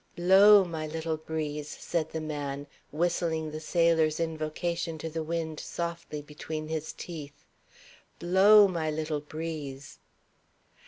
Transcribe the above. "Blow, my little breeze!" said the man, whistling the sailor's invocation to the wind softly between his teeth. "Blow, my little breeze!"